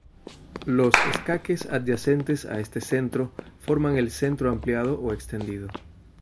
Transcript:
Los escaques adyacentes a este centro forman el centro ampliado o extendido.